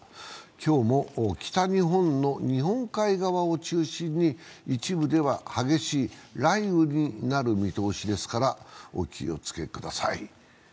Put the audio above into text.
今日も北日本の日本海側を中心に一部では激しい雷雨になる見通しですからお気をつけください。